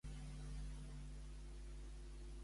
Amb quina altra divinitat s'associa aquesta branca de plata?